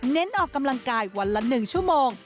ออกกำลังกายวันละ๑ชั่วโมง